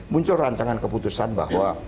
muncul rancangan keputusan bahwa